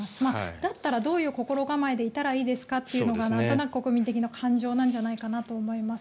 だったらどういう心構えでいたらいいですかっていうことが国民の感情なんじゃないかなと思います。